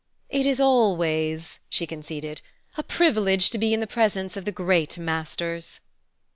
"It is always," she conceded, "a privilege to be in the presence of the great masters."